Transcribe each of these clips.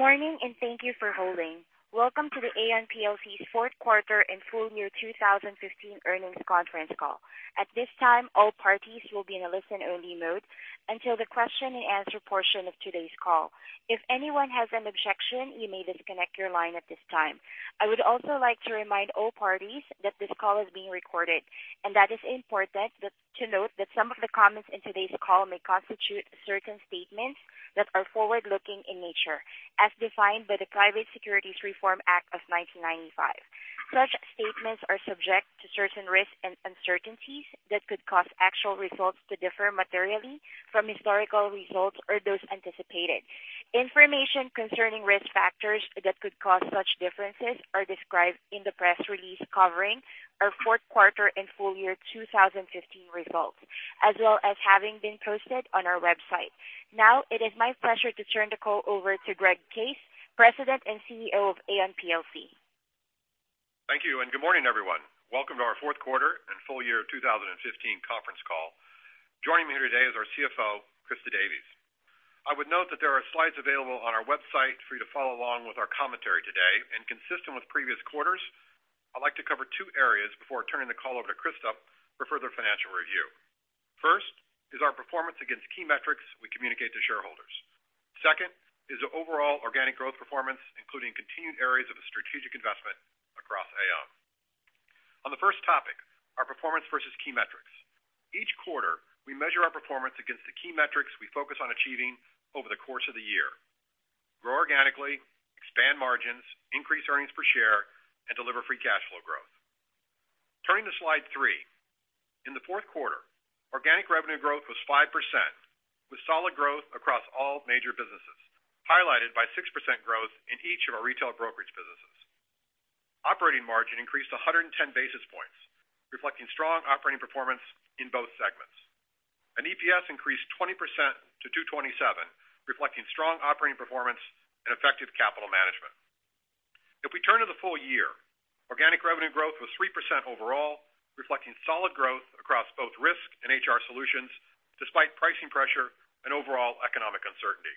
Good morning, and thank you for holding. Welcome to the Aon plc's fourth quarter and full year 2015 earnings conference call. At this time, all parties will be in a listen-only mode until the question and answer portion of today's call. If anyone has an objection, you may disconnect your line at this time. I would also like to remind all parties that this call is being recorded, it's important to note that some of the comments in today's call may constitute certain statements that are forward-looking in nature, as defined by the Private Securities Litigation Reform Act of 1995. Such statements are subject to certain risks and uncertainties that could cause actual results to differ materially from historical results or those anticipated. Information concerning risk factors that could cause such differences are described in the press release covering our fourth quarter and full year 2015 results, as well as having been posted on our website. It is my pleasure to turn the call over to Greg Case, President and CEO of Aon plc. Thank you, and good morning, everyone. Welcome to our fourth quarter and full year 2015 conference call. Joining me here today is our CFO, Christa Davies. I would note that there are slides available on our website for you to follow along with our commentary today. Consistent with previous quarters, I'd like to cover two areas before turning the call over to Christa for further financial review. First is our performance against key metrics we communicate to shareholders. Second is the overall organic growth performance, including continued areas of a strategic investment across Aon. On the first topic, our performance versus key metrics. Each quarter, we measure our performance against the key metrics we focus on achieving over the course of the year. Grow organically, expand margins, increase earnings per share, and deliver free cash flow growth. Turning to slide three. In the fourth quarter, organic revenue growth was 5%, with solid growth across all major businesses, highlighted by 6% growth in each of our retail brokerage businesses. Operating margin increased 110 basis points, reflecting strong operating performance in both segments. EPS increased 20% to $2.27, reflecting strong operating performance and effective capital management. If we turn to the full year, organic revenue growth was 3% overall, reflecting solid growth across both Risk Solutions and HR Solutions, despite pricing pressure and overall economic uncertainty.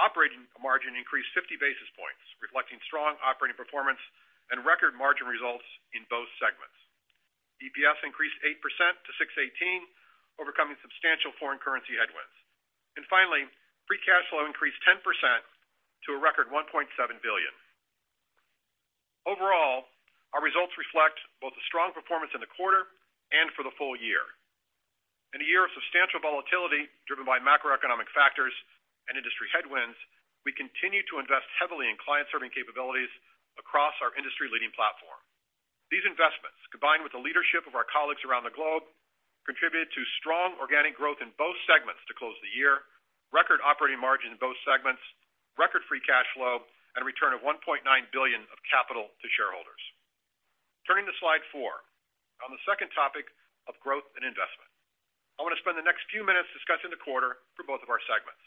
Operating margin increased 50 basis points, reflecting strong operating performance and record margin results in both segments. EPS increased 8% to $6.18, overcoming substantial foreign currency headwinds. Finally, free cash flow increased 10% to a record $1.7 billion. Overall, our results reflect both a strong performance in the quarter and for the full year. In a year of substantial volatility driven by macroeconomic factors and industry headwinds, we continued to invest heavily in client-serving capabilities across our industry-leading platform. These investments, combined with the leadership of our colleagues around the globe, contributed to strong organic growth in both segments to close the year, record operating margin in both segments, record free cash flow, and a return of $1.9 billion of capital to shareholders. Turning to slide four. On the second topic of growth and investment, I want to spend the next few minutes discussing the quarter for both of our segments.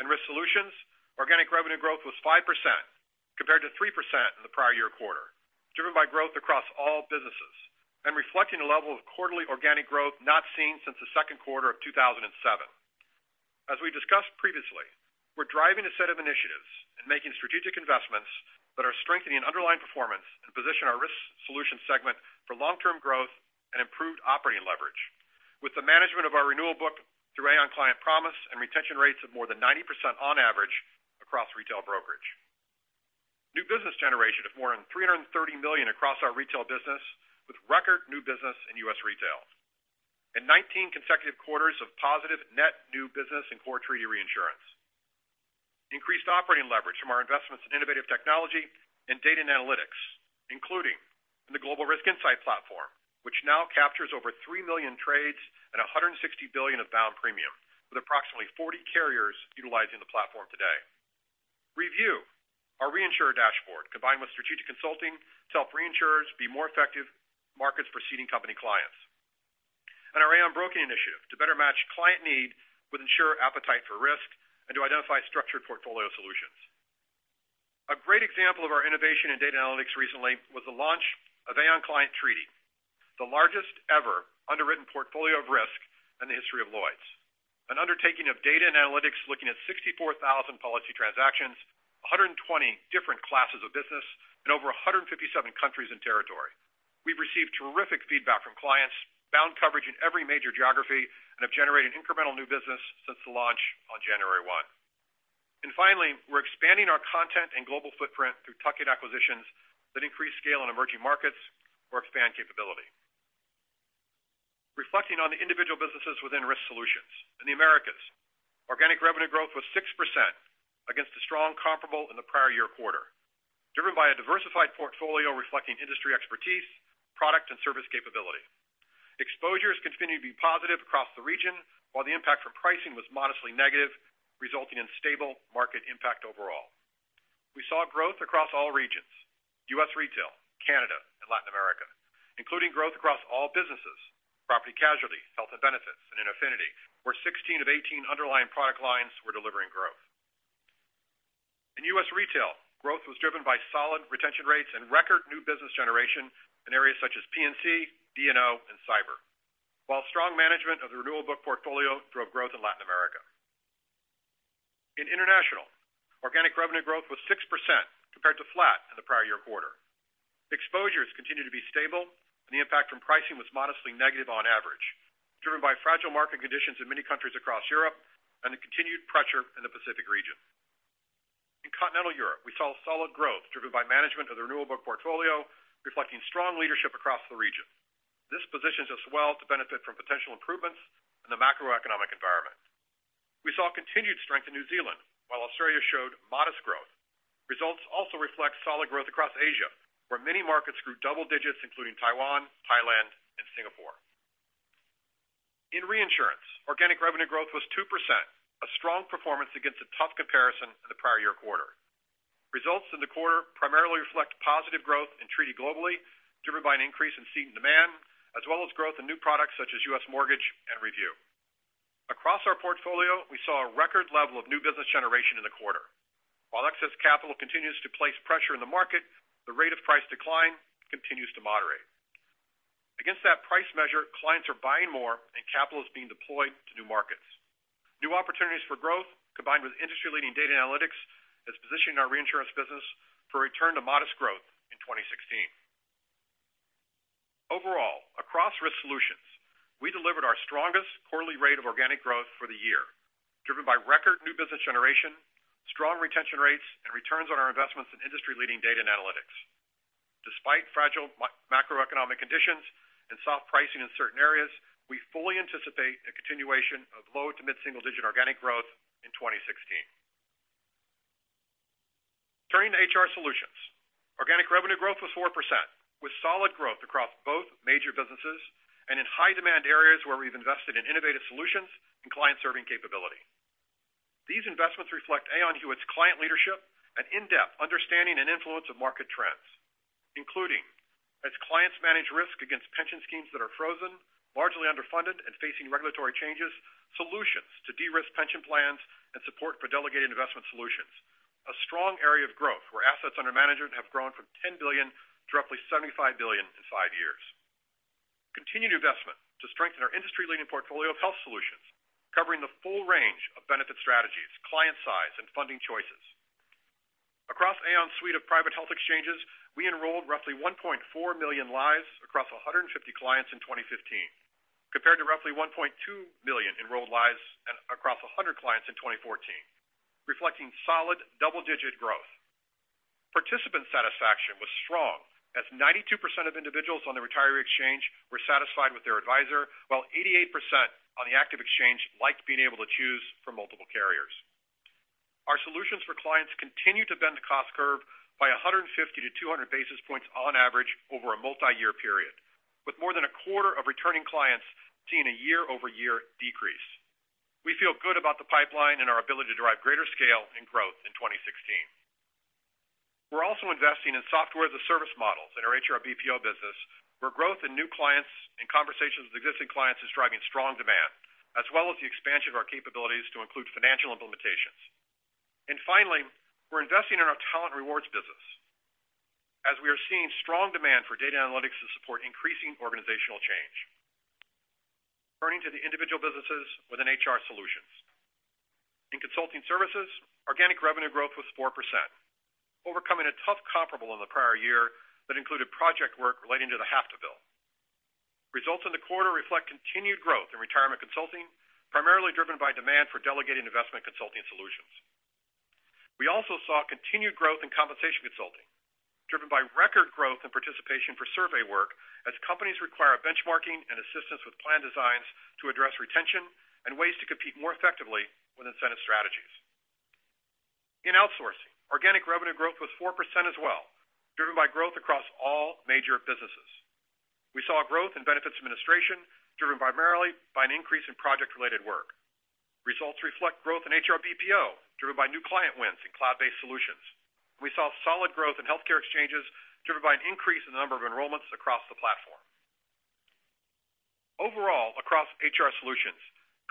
In Risk Solutions, organic revenue growth was 5% compared to 3% in the prior year quarter, driven by growth across all businesses and reflecting a level of quarterly organic growth not seen since the second quarter of 2007. As we discussed previously, we're driving a set of initiatives and making strategic investments that are strengthening underlying performance and position our Risk Solutions segment for long-term growth and improved operating leverage with the management of our renewal book through Aon Client Promise and retention rates of more than 90% on average across retail brokerage. New business generation of more than $330 million across our retail business with record new business in U.S. retail. 19 consecutive quarters of positive net new business in core treaty reinsurance. Increased operating leverage from our investments in innovative technology and data and analytics, including in the Aon Global Risk Insight Platform, which now captures over 3 million trades and $160 billion of bound premium with approximately 40 carriers utilizing the platform today. ReView, our reinsurer dashboard, combined with strategic consulting, to help reinsurers be more effective markets for seeding company clients. Our Aon broking initiative to better match client need with insurer appetite for risk and to identify structured portfolio solutions. A great example of our innovation in data analytics recently was the launch of Aon Client Treaty, the largest ever underwritten portfolio of risk in the history of Lloyd's. An undertaking of data and analytics looking at 64,000 policy transactions, 120 different classes of business in over 157 countries and territory. We've received terrific feedback from clients, bound coverage in every major geography, and have generated incremental new business since the launch on January 1. Finally, we're expanding our content and global footprint through tuck-in acquisitions that increase scale in emerging markets or expand capability. Reflecting on the individual businesses within Risk Solutions. In the Americas, organic revenue growth was 6% against the strong comparable in the prior year quarter, driven by a diversified portfolio reflecting industry expertise, product, and service capability. Exposures continued to be positive across the region, while the impact from pricing was modestly negative, resulting in stable market impact overall. We saw growth across all regions, U.S. retail, Canada, and Latin America, including growth across all businesses, property/casualty, health and benefits, and in affinity, where 16 of 18 underlying product lines were delivering growth. In U.S. retail, growth was driven by solid retention rates and record new business generation in areas such as P&C, D&O and cyber. While strong management of the renewable book portfolio drove growth in Latin America. In international, organic revenue growth was 6% compared to flat in the prior year quarter. Exposures continued to be stable and the impact from pricing was modestly negative on average, driven by fragile market conditions in many countries across Europe and the continued pressure in the Pacific region. In continental Europe, we saw solid growth driven by management of the renewable book portfolio, reflecting strong leadership across the region. This positions us well to benefit from potential improvements in the macroeconomic environment. We saw continued strength in New Zealand while Australia showed modest growth. Results also reflect solid growth across Asia, where many markets grew double-digits, including Taiwan, Thailand and Singapore. In reinsurance, organic revenue growth was 2%, a strong performance against a tough comparison in the prior year quarter. Results in the quarter primarily reflect positive growth in treaty globally, driven by an increase in ceded demand as well as growth in new products such as U.S. mortgage and ReView. Across our portfolio, we saw a record level of new business generation in the quarter. While excess capital continues to place pressure in the market, the rate of price decline continues to moderate. Against that price measure, clients are buying more and capital is being deployed to new markets. New opportunities for growth, combined with industry-leading data analytics, is positioning our reinsurance business for a return to modest growth in 2016. Overall, across Risk Solutions, we delivered our strongest quarterly rate of organic growth for the year, driven by record new business generation, strong retention rates and returns on our investments in industry-leading data and analytics. Despite fragile macroeconomic conditions and soft pricing in certain areas, we fully anticipate a continuation of low to mid-single-digit organic growth in 2016. Turning to HR Solutions, organic revenue growth was 4%, with solid growth across both major businesses and in high demand areas where we've invested in innovative solutions and client-serving capability. These investments reflect Aon Hewitt's client leadership and in-depth understanding and influence of market trends, including as clients manage risk against pension schemes that are frozen, largely underfunded and facing regulatory changes, solutions to de-risk pension plans and support for delegated investment solutions. A strong area of growth where assets under management have grown from $10 billion to roughly $75 billion in five years. Continued investment to strengthen our industry-leading portfolio of health solutions, covering the full range of benefit strategies, client size and funding choices. Across Aon's suite of private health exchanges, we enrolled roughly 1.4 million lives across 150 clients in 2015, compared to roughly 1.2 million enrolled lives across 100 clients in 2014, reflecting solid double-digit growth. Participant satisfaction was strong as 92% of individuals on the retiree exchange were satisfied with their advisor, while 88% on the active exchange liked being able to choose from multiple carriers. Our solutions for clients continue to bend the cost curve by 150 to 200 basis points on average over a multi-year period, with more than a quarter of returning clients seeing a year-over-year decrease. We feel good about the pipeline and our ability to drive greater scale and growth in 2016. We're also investing in software as a service model in our HR BPO business, where growth in new clients and conversations with existing clients is driving strong demand, as well as the expansion of our capabilities to include financial implementations. Finally, we're investing in our talent rewards business as we are seeing strong demand for data analytics to support increasing organizational change. Turning to the individual businesses within HR Solutions. In consulting services, organic revenue growth was 4%, overcoming a tough comparable in the prior year that included project work relating to the HATFA bill. Results in the quarter reflect continued growth in retirement consulting, primarily driven by demand for delegating investment consulting solutions. We also saw continued growth in compensation consulting, driven by record growth and participation for survey work as companies require benchmarking and assistance with plan designs to address retention and ways to compete more effectively with incentive strategies. In outsourcing, organic revenue growth was 4% as well, driven by growth across all major businesses. We saw growth in benefits administration driven primarily by an increase in project related work. Results reflect growth in HR BPO driven by new client wins in cloud based solutions. We saw solid growth in healthcare exchanges driven by an increase in the number of enrollments across the platform. Overall, across HR Solutions,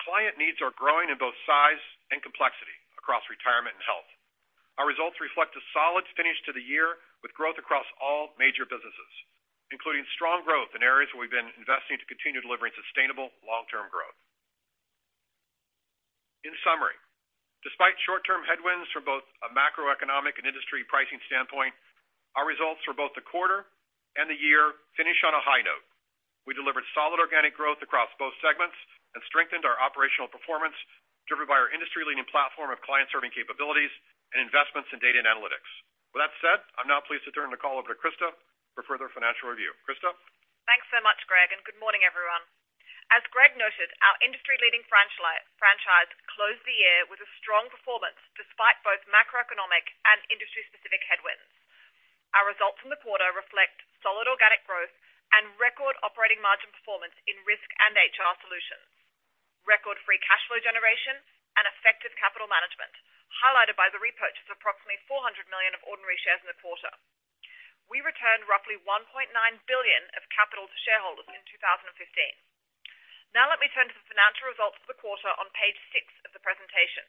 client needs are growing in both size and complexity across retirement and health. Our results reflect a solid finish to the year with growth across all major businesses, including strong growth in areas where we've been investing to continue delivering sustainable long-term growth. In summary, despite short-term headwinds from both a macroeconomic and industry pricing standpoint, our results for both the quarter and the year finish on a high note. We delivered solid organic growth across both segments and strengthened our operational performance, driven by our industry leading platform of client serving capabilities and investments in data and analytics. With that said, I'm now pleased to turn the call over to Christa for further financial review. Christa? Thanks so much, Greg, good morning, everyone. As Greg noted, our industry leading franchise closed the year with a strong performance despite both macroeconomic and industry specific headwinds. Our results from the quarter reflect solid organic growth and record operating margin performance in Risk and HR Solutions, record free cash flow generation and effective capital management, highlighted by the repurchase of approximately $400 million of ordinary shares in the quarter. Returned roughly $1.9 billion of capital to shareholders in 2015. Let me turn to the financial results for the quarter on page six of the presentation.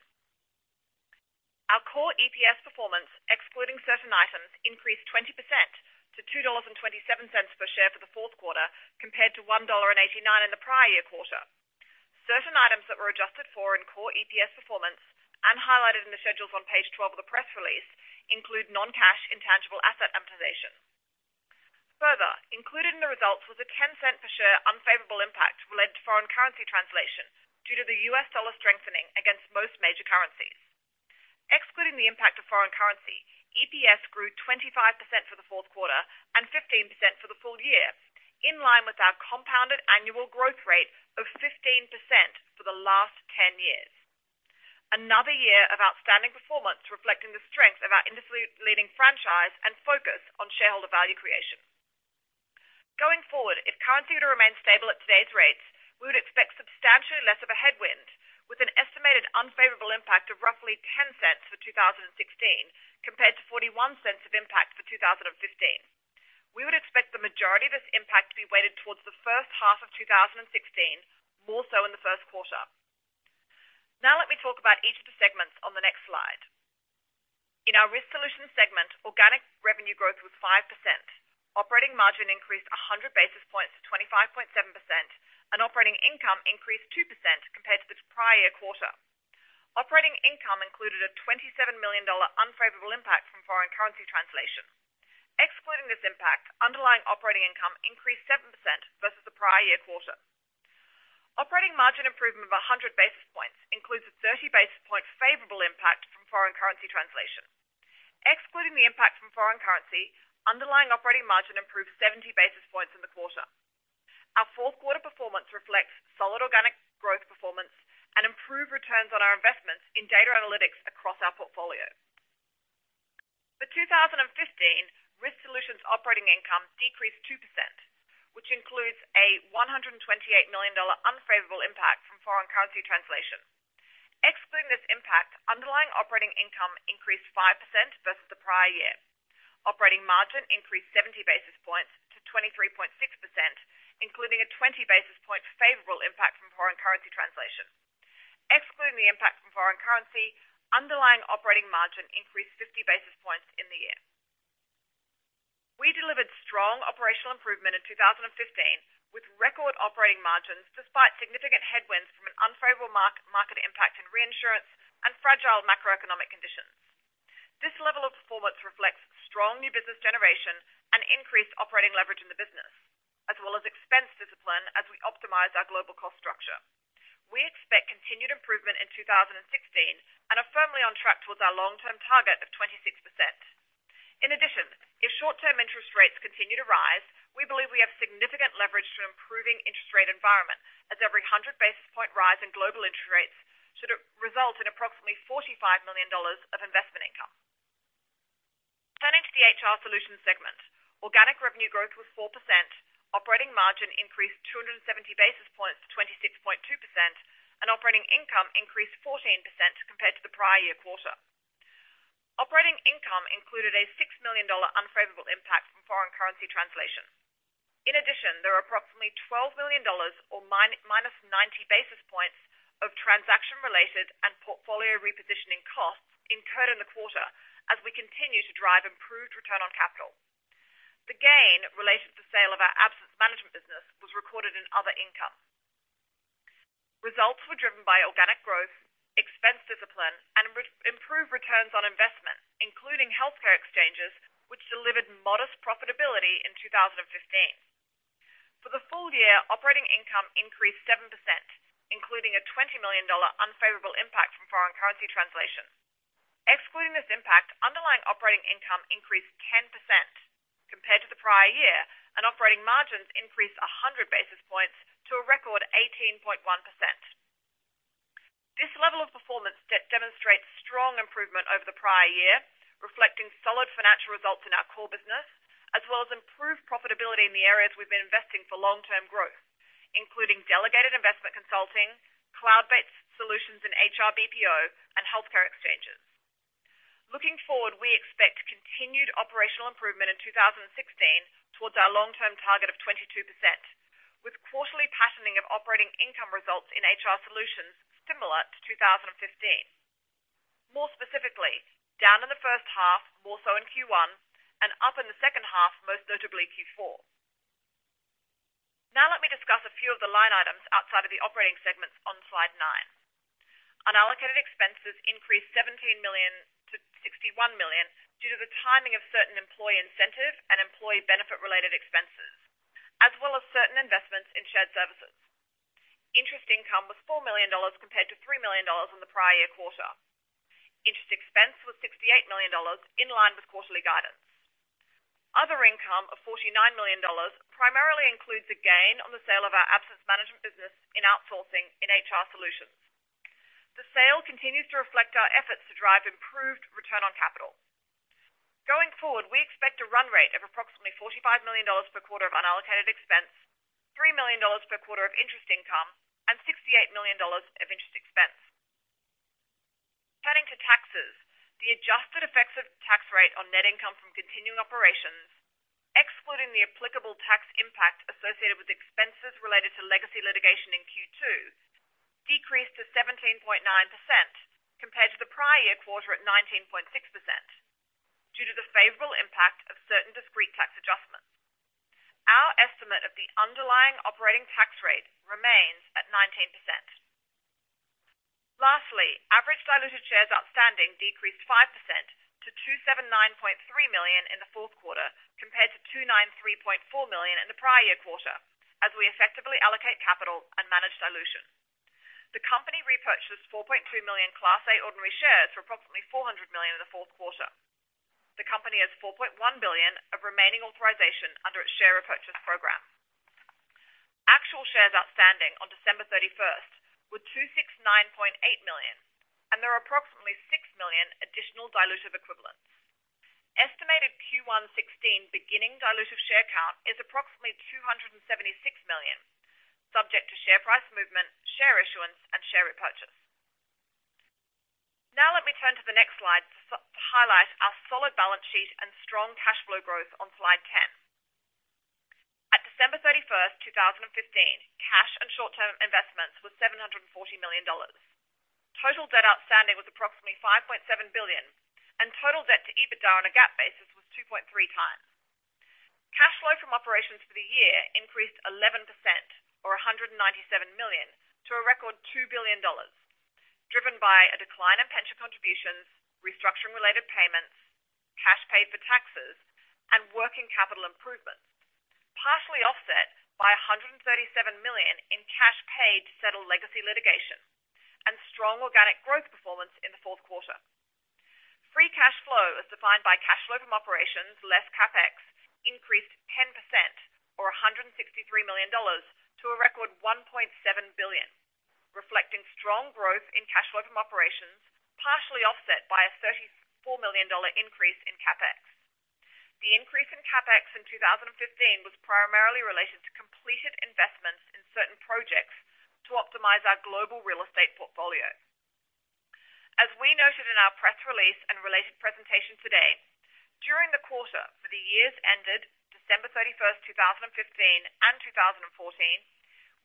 Our core EPS performance, excluding certain items, increased 20% to $2.27 per share for the fourth quarter, compared to $1.89 in the prior year quarter. Certain items that were adjusted for in core EPS performance and highlighted in the schedules on page 12 of the press release include non-cash intangible asset amortization. Included in the results was a $0.10 per share unfavorable impact related to foreign currency translation due to the U.S. dollar strengthening against most major currencies. Excluding the impact of foreign currency, EPS grew 25% for the fourth quarter and 15% for the full year, in line with our compounded annual growth rate of 15% for the last ten years. Another year of outstanding performance reflecting the strength of our industry-leading franchise and focus on shareholder value creation. Going forward, if currency were to remain stable at today's rates, we would expect substantially less of a headwind, with an estimated unfavorable impact of roughly $0.10 for 2016, compared to $0.41 of impact for 2015. We would expect the majority of this impact to be weighted towards the first half of 2016, more so in the first quarter. Now let me talk about each of the segments on the next slide. In our Risk Solutions segment, organic revenue growth was 5%. Operating margin increased 100 basis points to 25.7%, and operating income increased 2% compared to the prior year quarter. Operating income included a $27 million unfavorable impact from foreign currency translation. Excluding this impact, underlying operating income increased 7% versus the prior year quarter. Operating margin improvement of 100 basis points includes a 30 basis point favorable impact from foreign currency translation. Excluding the impact from foreign currency, underlying operating margin improved 70 basis points in the quarter. Our fourth quarter performance reflects solid organic growth performance and improved returns on our investments in data analytics across our portfolio. For 2015, Risk Solutions operating income decreased 2%, which includes a $128 million unfavorable impact from foreign currency translation. Excluding this impact, underlying operating income increased 5% versus the prior year. Operating margin increased 70 basis points to 23.6%, including a 20 basis point favorable impact from foreign currency translation. Excluding the impact from foreign currency, underlying operating margin increased 50 basis points in the year. We delivered strong operational improvement in 2015 with record operating margins despite significant headwinds from an unfavorable market impact in reinsurance and fragile macroeconomic conditions. This level of performance reflects strong new business generation and increased operating leverage in the business, as well as expense discipline as we optimize our global cost structure. We expect continued improvement in 2016 and are firmly on track towards our long-term target of 26%. If short-term interest rates continue to rise, we believe we have significant leverage to improving interest rate environment as every 100 basis point rise in global interest rates should result in approximately $45 million of investment income. Turning to the HR Solutions segment. Organic revenue growth was 4%, operating margin increased 270 basis points to 26.2%, and operating income increased 14% compared to the prior year quarter. Operating income included a $6 million unfavorable impact from foreign currency translation. There are approximately $12 million or -90 basis points of transaction-related and portfolio repositioning costs incurred in the quarter as we continue to drive improved return on capital. The gain related to sale of our absence management business was recorded in other income. Results were driven by organic growth, expense discipline, and improved returns on investment, including healthcare exchanges, which delivered modest profitability in 2015. For the full year, operating income increased 7%, including a $20 million unfavorable impact from foreign currency translation. Excluding this impact, underlying operating income increased 10% compared to the prior year. Operating margins increased 100 basis points to a record 18.1%. This level of performance demonstrates strong improvement over the prior year, reflecting solid financial results in our core business, as well as improved profitability in the areas we've been investing for long-term growth, including delegated investment consulting, cloud-based solutions in HR BPO, and healthcare exchanges. Looking forward, we expect continued operational improvement in 2016 towards our long-term target of 22%, with quarterly patterning of operating income results in HR Solutions similar to 2015. More specifically, down in the first half, more so in Q1, and up in the second half, most notably Q4. Now let me discuss a few of the line items outside of the operating segments on slide nine. Unallocated expenses increased $17 million to $61 million due to the timing of certain employee incentive and employee benefit-related expenses, as well as certain investments in shared services. Interest income was $4 million compared to $3 million in the prior year quarter. Interest expense was $68 million, in line with quarterly guidance. Other income of $49 million primarily includes a gain on the sale of our absence management business in outsourcing in HR Solutions. The sale continues to reflect our efforts to drive improved return on capital. Going forward, we expect a run rate of approximately $45 million per quarter of unallocated expense, $3 million per quarter of interest income, and $68 million. Taxes. The adjusted effects of tax rate on net income from continuing operations, excluding the applicable tax impact associated with expenses related to legacy litigation in Q2, decreased to 17.9%, compared to the prior year quarter at 19.6% due to the favorable impact of certain discrete tax adjustments. Our estimate of the underlying operating tax rate remains at 19%. Lastly, average diluted shares outstanding decreased 5% to 279.3 million in the fourth quarter compared to 293.4 million in the prior year quarter, as we effectively allocate capital and manage dilution. The company repurchased 4.2 million Class A ordinary shares for approximately $400 million in the fourth quarter. The company has $4.1 billion of remaining authorization under its share repurchase program. Actual shares outstanding on December 31st were 269.8 million, and there are approximately six million additional dilutive equivalents. Estimated Q1 2016 beginning dilutive share count is approximately 276 million, subject to share price movement, share issuance, and share repurchase. Now let me turn to the next slide to highlight our solid balance sheet and strong cash flow growth on slide 10. At December 31st, 2015, cash and short-term investments were $740 million. Total debt outstanding was approximately $5.7 billion. Total debt to EBITDA on a GAAP basis was 2.3 times. Cash flow from operations for the year increased 11% or $197 million to a record $2 billion, driven by a decline in pension contributions, restructuring related payments, cash paid for taxes, and working capital improvements, partially offset by $137 million in cash paid to settle legacy litigation and strong organic growth performance in the fourth quarter. Free cash flow, as defined by cash flow from operations, less CapEx, increased 10% or $163 million to a record $1.7 billion, reflecting strong growth in cash flow from operations, partially offset by a $34 million increase in CapEx. The increase in CapEx in 2015 was primarily related to completed investments in certain projects to optimize our global real estate portfolio. As we noted in our press release and related presentation today, during the quarter for the years ended December 31st, 2015 and 2014,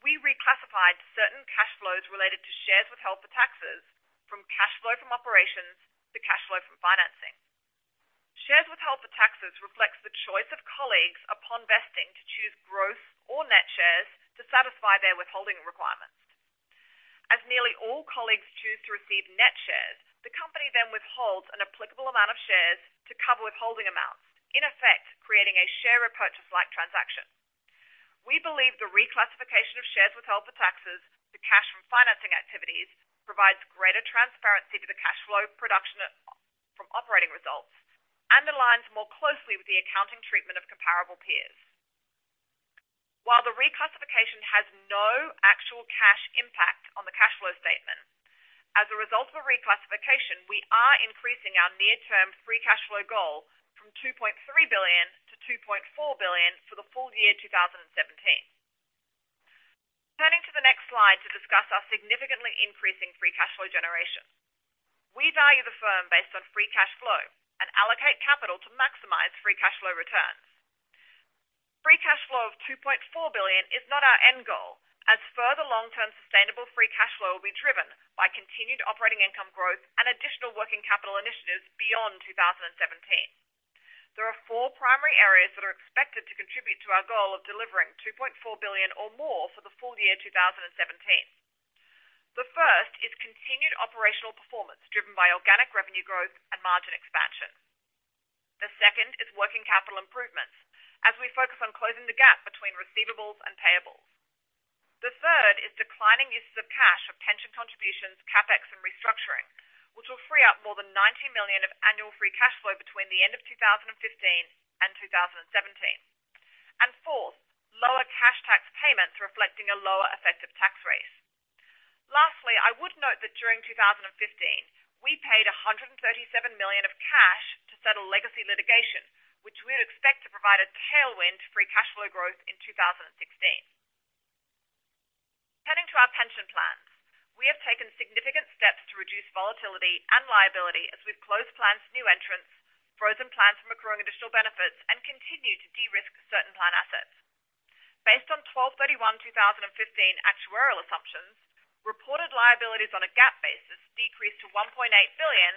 we reclassified certain cash flows related to shares withheld for taxes from cash flow from operations to cash flow from financing. Shares withheld for taxes reflects the choice of colleagues upon vesting to choose gross or net shares to satisfy their withholding requirements. Nearly all colleagues choose to receive net shares, the company then withholds an applicable amount of shares to cover withholding amounts, in effect, creating a share repurchase-like transaction. We believe the reclassification of shares withheld for taxes to cash from financing activities provides greater transparency to the cash flow production from operating results and aligns more closely with the accounting treatment of comparable peers. While the reclassification has no actual cash impact on the cash flow statement, as a result of the reclassification, we are increasing our near-term free cash flow goal from $2.3 billion to $2.4 billion for the full year 2017. Turning to the next slide to discuss our significantly increasing free cash flow generation. We value the firm based on free cash flow and allocate capital to maximize free cash flow returns. Free cash flow of $2.4 billion is not our end goal, as further long-term sustainable free cash flow will be driven by continued operating income growth and additional working capital initiatives beyond 2017. There are four primary areas that are expected to contribute to our goal of delivering $2.4 billion or more for the full year 2017. The first is continued operational performance driven by organic revenue growth and margin expansion. The second is working capital improvements as we focus on closing the gap between receivables and payables. The third is declining uses of cash of pension contributions, CapEx, and restructuring, which will free up more than $90 million of annual free cash flow between the end of 2015 and 2017. Fourth, lower cash tax payments reflecting a lower effective tax rate. Lastly, I would note that during 2015, we paid $137 million of cash to settle legacy litigation, which we would expect to provide a tailwind to free cash flow growth in 2016. Turning to our pension plans. We have taken significant steps to reduce volatility and liability as we've closed plans to new entrants, frozen plans from accruing additional benefits, and continue to de-risk certain plan assets. Based on 12/31/2015 actuarial assumptions, reported liabilities on a GAAP basis decreased to $1.8 billion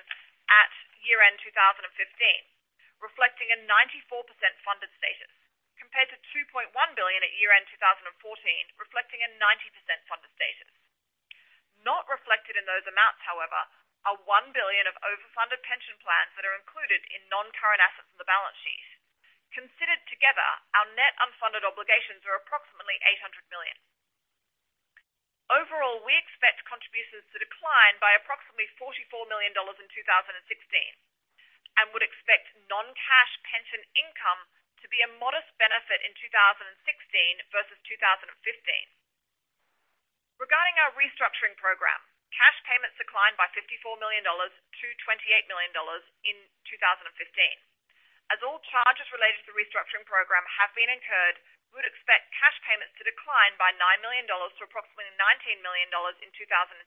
at year-end 2015, reflecting a 94% funded status, compared to $2.1 billion at year-end 2014, reflecting a 90% funded status. Not reflected in those amounts, however, are $1 billion of overfunded pension plans that are included in non-current assets on the balance sheet. Considered together, our net unfunded obligations are approximately $800 million. Overall, we expect contributions to decline by approximately $44 million in 2016 and would expect non-cash pension income to be a modest benefit in 2016 versus 2015. charges related to the restructuring program have been incurred, we would expect cash payments to decline by $9 million to approximately $19 million in 2016,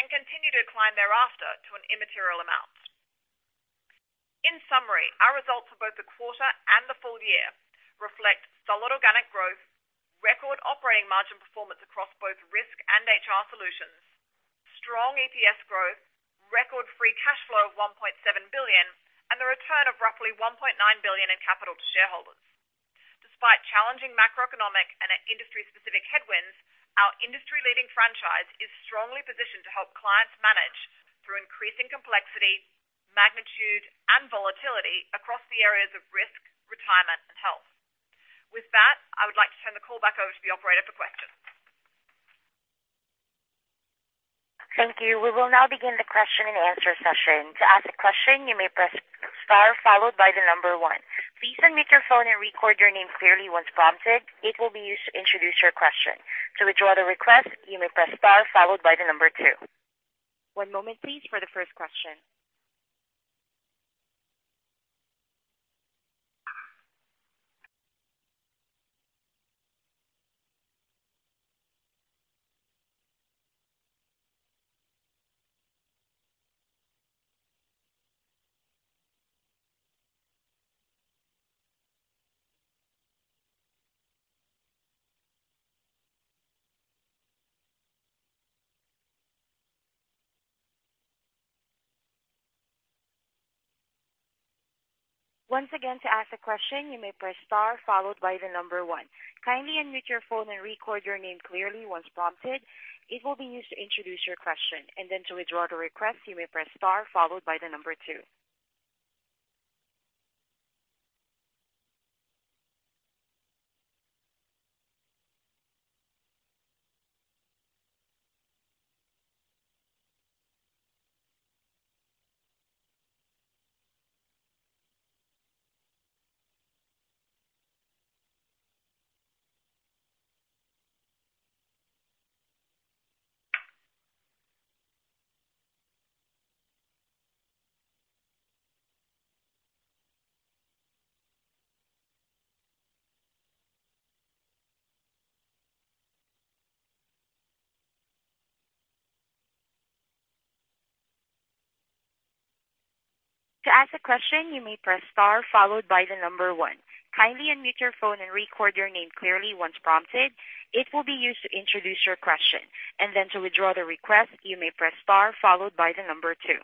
and continue to decline thereafter to an immaterial amount. In summary, our results for both the quarter and the full year reflect solid organic growth, record operating margin performance across both Risk Solutions and HR Solutions, strong EPS growth, record free cash flow of $1.7 billion, and the return of roughly $1.9 billion in capital to shareholders. Despite challenging macroeconomic and industry-specific headwinds, our industry-leading franchise is strongly positioned to help clients manage through increasing complexity, magnitude, and volatility across the areas of risk, retirement, and health. With that, I would like to turn the call back over to the operator for questions. Thank you. We will now begin the question and answer session. To ask a question, you may press star followed by the number 1. Please unmute your phone and record your name clearly once prompted. It will be used to introduce your question. To withdraw the request, you may press star followed by the number 2. One moment, please, for the first question. Once again, to ask a question, you may press star followed by the number 1. Kindly unmute your phone and record your name clearly once prompted. It will be used to introduce your question. To withdraw the request, you may press star followed by the number 2. To ask a question, you may press star followed by the number 1. Kindly unmute your phone and record your name clearly once prompted. It will be used to introduce your question. To withdraw the request, you may press star followed by the number 2.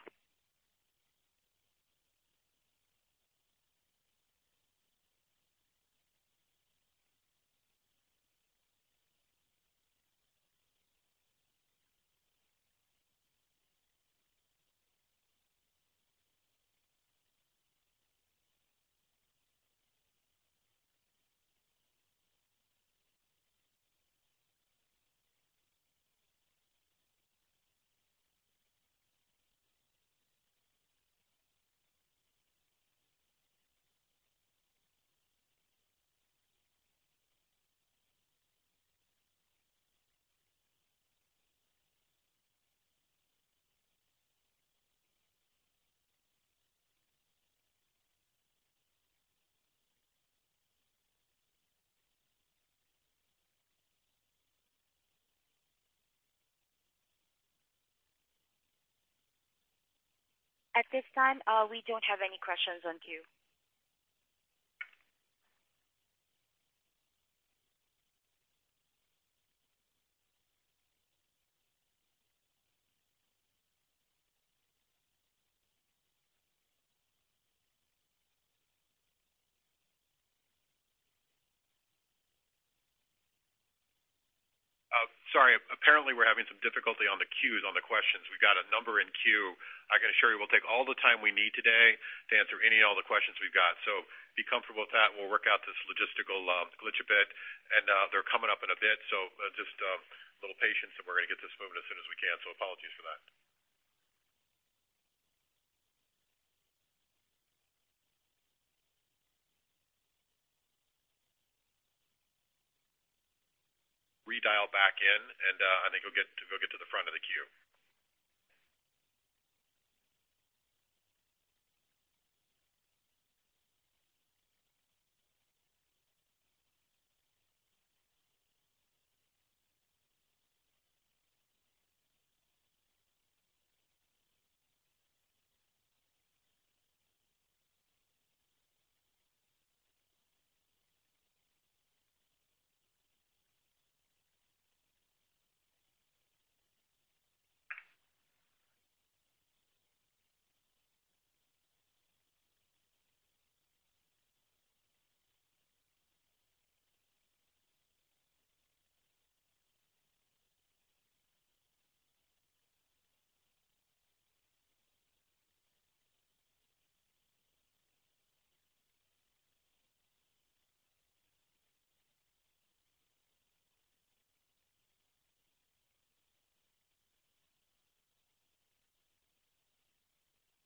At this time, we don't have any questions on queue. Sorry. Apparently, we're having some difficulty on the queues on the questions. We've got a number in queue. I can assure you we'll take all the time we need today to answer any and all the questions we've got. Be comfortable with that. We'll work out this logistical glitch a bit, and they're coming up in a bit. Just a little patience, and we're going to get this moving as soon as we can. Apologies for that. Redial back in, and I think you'll get to the front of the queue.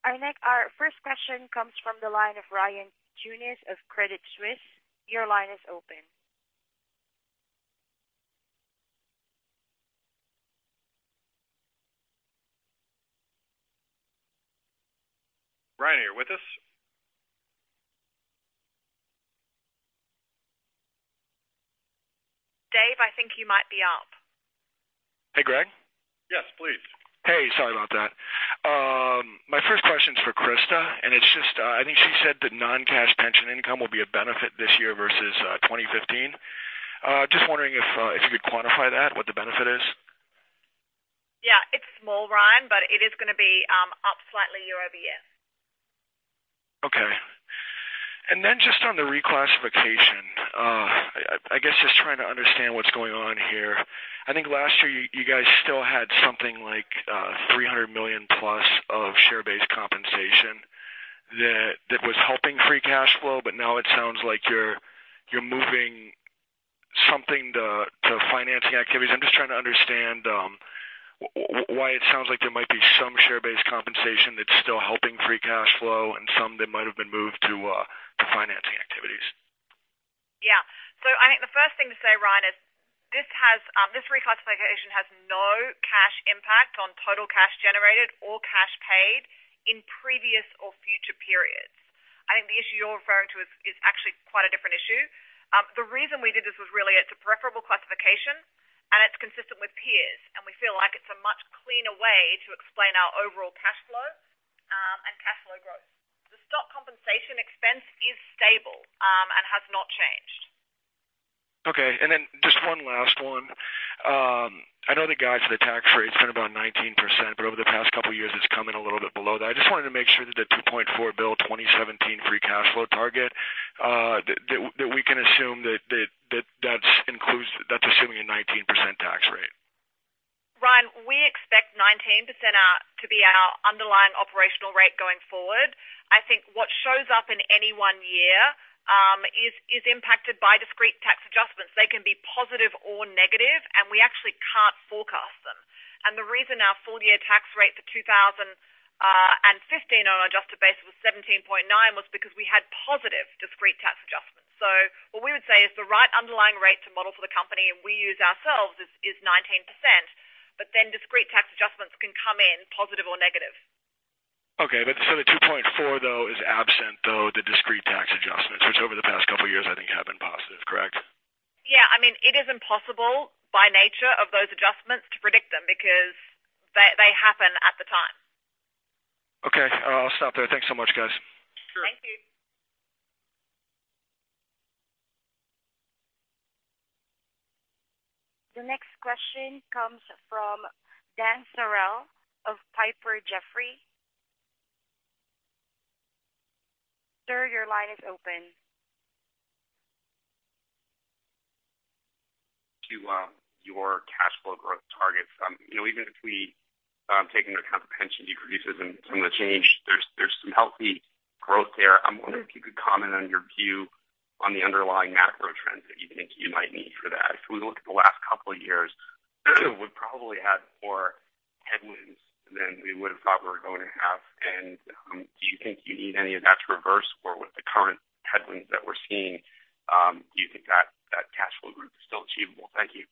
Our first question comes from the line of Ryan Tunis of Credit Suisse. Your line is open Ryan, are you with us? Dave, I think you might be up. Hey, Greg? Yes, please. Hey, sorry about that. My first question's for Christa, and it's just, I think she said that non-cash pension income will be a benefit this year versus 2015. Just wondering if you could quantify that, what the benefit is. Yeah. It's small, Ryan, but it is going to be up slightly year-over-year. Okay. Just on the reclassification, I guess just trying to understand what's going on here. I think last year you guys still had something like $300 million-plus of share-based compensation that was helping free cash flow, now it sounds like you're moving something to financing activities. I'm just trying to understand why it sounds like there might be some share-based compensation that's still helping free cash flow and some that might have been moved to financing activities. Yeah. I think the first thing to say, Ryan, is this reclassification has no cash impact on total cash generated or cash paid in previous or future periods. I think the issue you're referring to is actually quite a different issue. The reason we did this was really it's a preferable classification and it's consistent with peers, we feel like it's a much cleaner way to explain our overall cash flows and cash flow growth. The stock compensation expense is stable and has not changed. Okay. Just one last one. I know the guide for the tax rate's been about 19%, over the past couple of years, it's come in a little bit below that. I just wanted to make sure that the $2.4 billion 2017 free cash flow target, that we can assume that that's assuming a 19% tax rate. Ryan, we expect 19% to be our underlying operational rate going forward. I think what shows up in any one year is impacted by discrete tax adjustments. They can be positive or negative, we actually can't forecast them. The reason our full-year tax rate for 2015 on an adjusted basis was 17.9 was because we had positive discrete tax adjustments. What we would say is the right underlying rate to model for the company and we use ourselves is 19%, discrete tax adjustments can come in positive or negative. The $2.4, though, is absent, though, the discrete tax adjustments, which over the past couple of years I think have been positive, correct? It is impossible by nature of those adjustments to predict them because they happen at the time. I'll stop there. Thanks so much, guys. Sure. Thank you. The next question comes from Paul Newsome of Piper Jaffray. Sir, your line is open. To your cash flow growth targets. Even if we take into account the pension decreases and some of the change, there's some healthy growth there. I'm wondering if you could comment on your view on the underlying macro trends that you think you might need for that. If we look at the last couple of years, we've probably had more headwinds than we would've thought we were going to have. Do you think you need any of that to reverse? With the current headwinds that we're seeing, do you think that cash flow growth is still achievable? Thank you.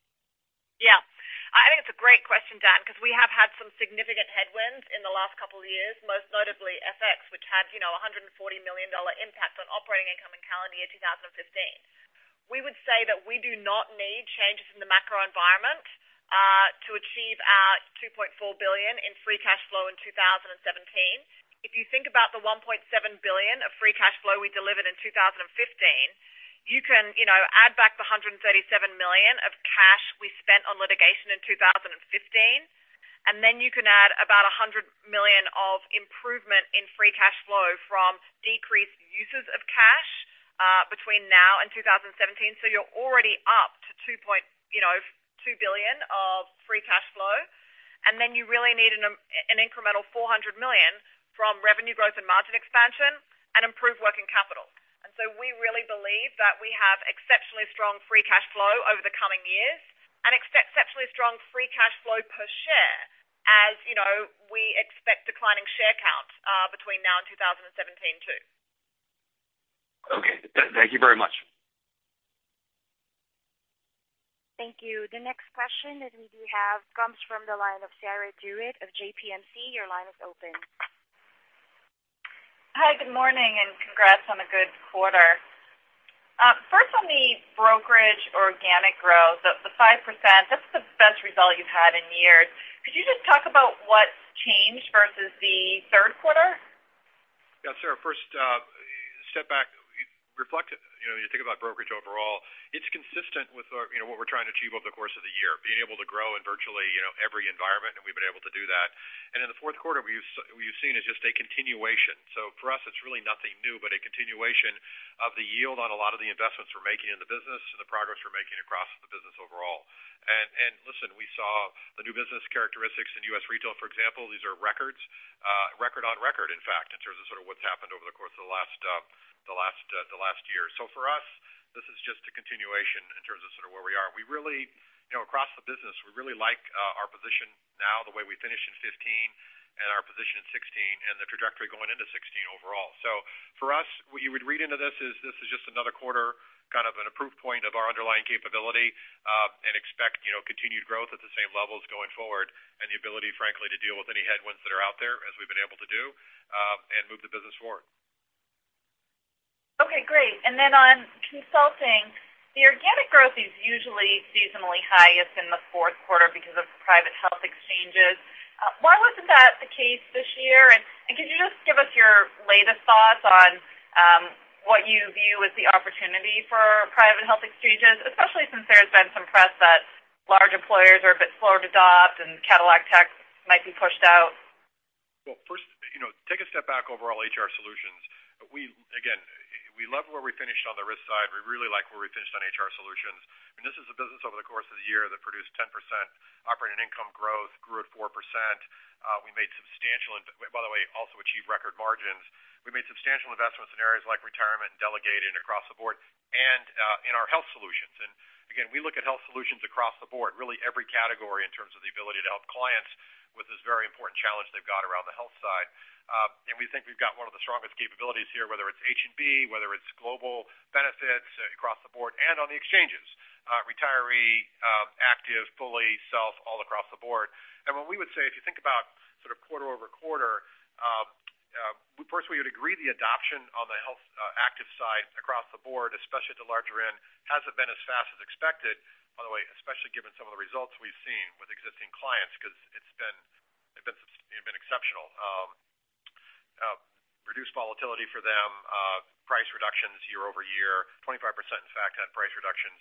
I think it's a great question, Dan, because we have had some significant headwinds in the last couple of years, most notably FX, which had $140 million impact on operating income in calendar year 2015. We would say that we do not need changes in the macro environment to achieve our $2.4 billion in free cash flow in 2017. If you think about the $1.7 billion of free cash flow we delivered in 2015, you can add back the $137 million of cash we spent on litigation in 2015, you can add about $100 million of improvement in free cash flow from decreased uses of cash between now and 2017. You're already up to $2 billion of free cash flow, you really need an incremental $400 million from revenue growth and margin expansion and improved working capital. We really believe that we have exceptionally strong free cash flow over the coming years and exceptionally strong free cash flow per share as we expect declining share count between now and 2017, too. Okay. Thank you very much. Thank you. The next question that we do have comes from the line of Sarah DeWitt of JPMorgan. Your line is open. Hi, good morning. Congrats on a good quarter. First on the brokerage organic growth, the 5%, that's the best result you've had in years. Could you just talk about what's changed versus the third quarter? Yeah, Sarah, first step back, reflective. You think about brokerage overall, it's consistent with what we're trying to achieve over the course of the year, being able to grow in virtually every environment, we've been able to do that. In the fourth quarter, what you've seen is just a continuation. For us, it's really nothing new, but a continuation of the yield on a lot of the investments we're making in the business and the progress we're making across the business overall. Listen, we saw the new business characteristics in U.S. retail, for example. These are records. Record on record, in fact, in terms of sort of what's happened over the course of the last year. For us, this is just a continuation in terms of sort of where we are. Across the business, we really like our position now, the way we finished in 2015 and our position in 2016, and the trajectory going into 2016 overall. For us, what you would read into this is, this is just another quarter, kind of a proof point of our underlying capability, and expect continued growth at the same levels going forward and the ability, frankly, to deal with any headwinds that are out there as we've been able to do, and move the business forward. Okay, great. On consulting, the organic growth is usually seasonally highest in the fourth quarter because of private health exchanges. Why wasn't that the case this year? Could you just give us your latest thoughts on what you view as the opportunity for private health exchanges, especially since there's been some press that large employers are a bit slower to adopt and Cadillac tax might be pushed out? First, take a step back over all HR Solutions. Again, we love where we finished on the risk side. We really like where we finished on HR Solutions. This is a business over the course of the year that produced 10% operating income growth, grew at 4%. We made substantial, by the way, also achieved record margins. We made substantial investments in areas like retirement and delegating across the board and in our Health Solutions. Again, we look at Health Solutions across the board, really every category in terms of the ability to help clients with this very important challenge they've got around the health side. We think we've got one of the strongest capabilities here, whether it's H&B, whether it's global benefits across the board and on the exchanges, retiree, active, fully, self, all across the board. What we would say, if you think about quarter-over-quarter, first we would agree the adoption on the health active side across the board, especially at the larger end, hasn't been as fast as expected. By the way, especially given some of the results we've seen with existing clients, because they've been exceptional. Reduced volatility for them, price reductions year-over-year, 25%, in fact, on price reductions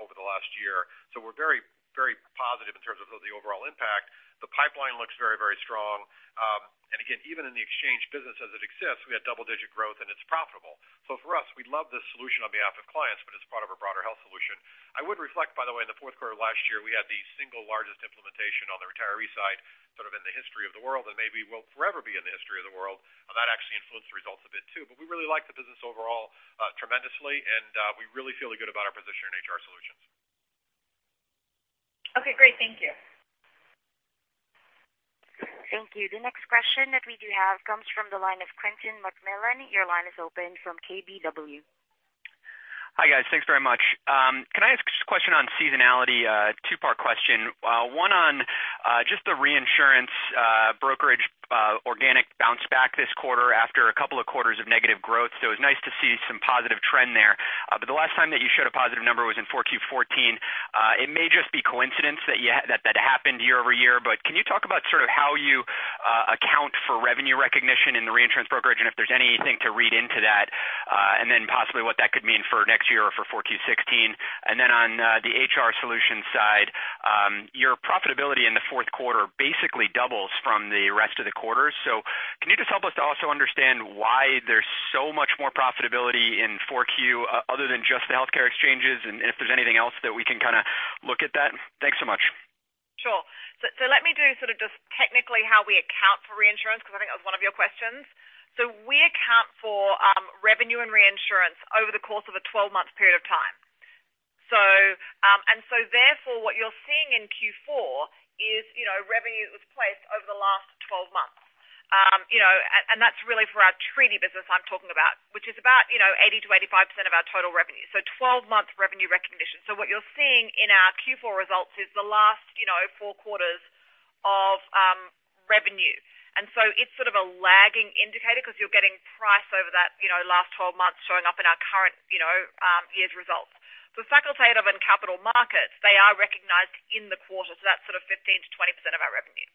over the last year. We're very positive in terms of the overall impact. The pipeline looks very strong. Again, even in the exchange business as it exists, we had double-digit growth and it's profitable. For us, we love this solution on behalf of clients, but it's part of our broader Health Solutions. I would reflect, by the way, in the fourth quarter last year, we had the single largest implementation on the retiree side in the history of the world, and maybe will forever be in the history of the world. That actually influenced the results a bit too. We really like the business overall tremendously, and we really feel good about our position in HR Solutions. Okay, great. Thank you. Thank you. The next question that we do have comes from the line of Meyer Shields. Your line is open from KBW. Hi, guys. Thanks very much. Can I ask a question on seasonality? A two-part question. One on just the reinsurance brokerage organic bounce back this quarter after a couple of quarters of negative growth. It was nice to see some positive trend there. The last time that you showed a positive number was in 4Q 2014. It may just be coincidence that that happened year-over-year, but can you talk about how you account for revenue recognition in the reinsurance brokerage, and if there's anything to read into that? Possibly what that could mean for next year or for 4Q 2016. On the HR Solutions side, your profitability in the fourth quarter basically doubles from the rest of the quarters. Can you just help us to also understand why there's so much more profitability in 4Q other than just the healthcare exchanges? If there's anything else that we can look at that? Thanks so much. Sure. Let me do just technically how we account for reinsurance, because I think that was one of your questions. We account for revenue and reinsurance over the course of a 12-month period of time. Therefore, what you're seeing in Q4 is revenue that was placed over the last 12 months. That's really for our treaty business I'm talking about, which is about 80%-85% of our total revenue. 12 months revenue recognition. What you're seeing in our Q4 results is the last four quarters of revenue. It's sort of a lagging indicator because you're getting price over that last 12 months showing up in our current year's results. Facultative and capital markets, they are recognized in the quarter. That's sort of 15%-20% of our revenue.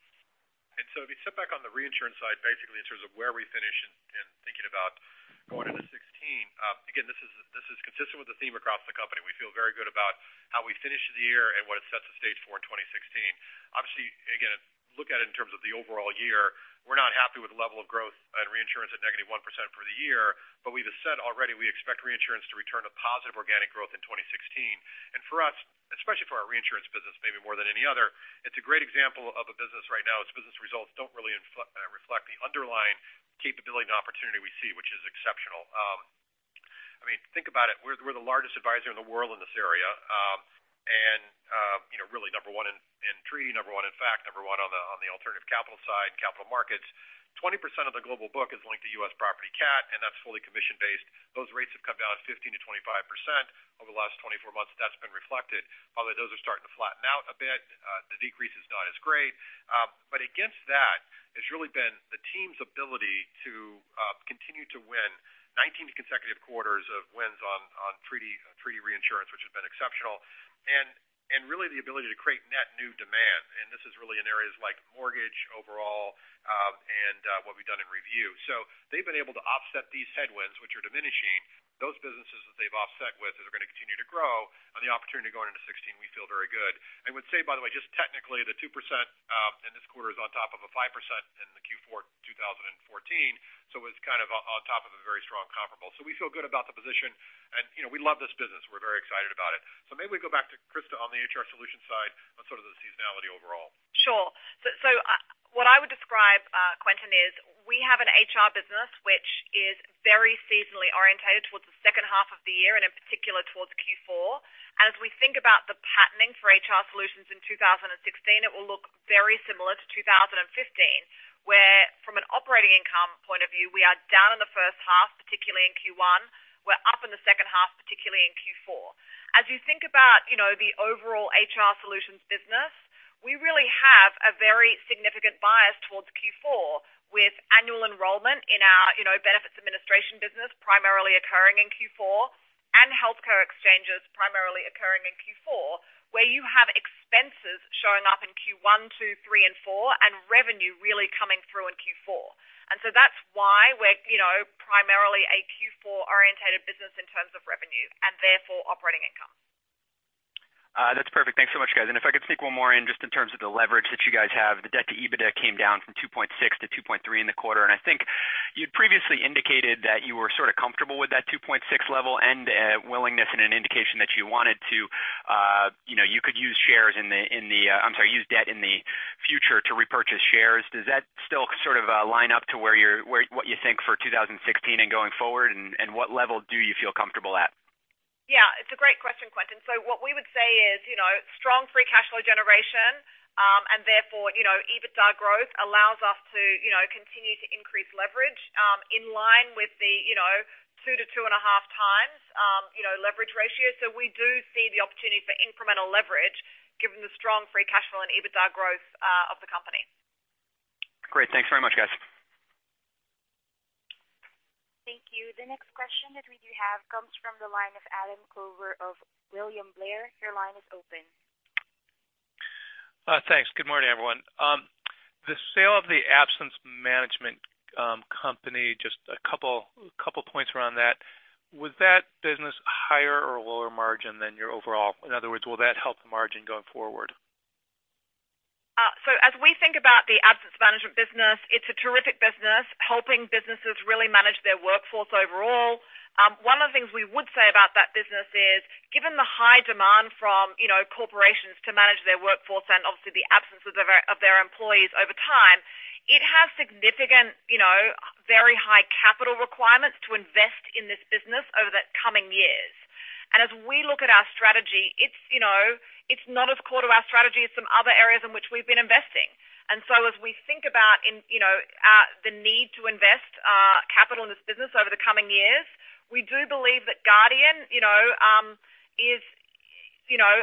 If you step back on the reinsurance side, basically in terms of where we finish and thinking about going into 2016. Again, this is consistent with the theme across the company. We feel very good about how we finished the year and what it sets the stage for in 2016. Obviously, again, look at it in terms of the overall year. We're not happy with the level of growth at reinsurance at -1% for the year. We just said already, we expect reinsurance to return to positive organic growth in 2016. For us, especially for our reinsurance business, maybe more than any other, it's a great example of a business right now, its business results don't really reflect the underlying capability and opportunity we see, which is exceptional. Think about it. We're the largest advisor in the world in this area. Really number 1 in treaty, number 1 in fact, number 1 on the alternative capital side, capital markets. 20% of the global book is linked to US property cat, that's fully commission-based. Those rates have come down 15%-25% over the last 24 months. That's been reflected. By the way, those are starting to flatten out a bit. The decrease is not as great. Against that, it's really been the team's ability to continue to win 19 consecutive quarters of wins on treaty reinsurance, which has been exceptional. Really the ability to create net new demand. This is really in areas like mortgage overall, and what we've done in ReView. They've been able to offset these headwinds, which are diminishing. Those businesses that they've offset with are going to continue to grow. On the opportunity going into 2016, we feel very good. I would say, by the way, just technically, the 2% in this quarter is on top of a 5% in the Q4 2014, it's kind of on top of a very strong comparable. We feel good about the position, and we love this business. We're very excited about it. Maybe we go back to Christa on the HR Solutions side on sort of the seasonality overall. Sure. What I would describe, Meyer, is we have an HR business which is very seasonally orientated towards the second half of the year, and in particular towards Q4. As we think about the patterning for HR Solutions in 2016, it will look very similar to 2015, where from an operating income point of view, we are down in the first half, particularly in Q1. We're up in the second half, particularly in Q4. As you think about the overall HR Solutions business, we really have a very significant bias towards Q4 with annual enrollment in our benefits administration business primarily occurring in Q4, and health care exchanges primarily occurring in Q4, where you have expenses showing up in Q1, Q2, Q3 and Q4, and revenue really coming through in Q4. That's why we're primarily a Q4 orientated business in terms of revenue and therefore operating income. That's perfect. Thanks so much, guys. If I could sneak one more in, just in terms of the leverage that you guys have. The debt to EBITDA came down from 2.6 to 2.3 in the quarter, and I think you'd previously indicated that you were sort of comfortable with that 2.6 level and willingness and an indication that you could use debt in the future to repurchase shares. Does that still sort of line up to what you think for 2016 and going forward, and what level do you feel comfortable at? Yeah, it's a great question, Meyer. What we would say is strong free cash flow generation, and therefore, EBITDA growth allows us to continue to increase leverage, in line with the 2 to 2.5 times leverage ratio. We do see the opportunity for incremental leverage given the strong free cash flow and EBITDA growth of the company. Great. Thanks very much, guys. Thank you. The next question that we do have comes from the line of Adam Klauber of William Blair. Your line is open. Thanks. Good morning, everyone. The sale of the absence management company, just a couple points around that. Was that business higher or lower margin than your overall? In other words, will that help the margin going forward? As we think about the absence management business, it's a terrific business, helping businesses really manage their workforce overall. One of the things we would say about that business is, given the high demand from corporations to manage their workforce and obviously the absences of their employees over time, it has significant, very high capital requirements to invest in this business over the coming years. As we look at our strategy, it's not as core to our strategy as some other areas in which we've been investing. As we think about the need to invest capital in this business over the coming years, we do believe that Guardian